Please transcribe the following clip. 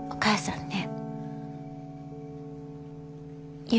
お母さん。